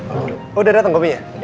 oh udah dateng komiknya